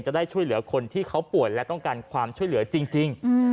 จะได้ช่วยเหลือคนที่เขาป่วยและต้องการความช่วยเหลือจริง